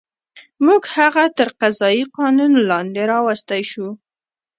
موږ هغه تر قضایي قانون لاندې راوستی شو.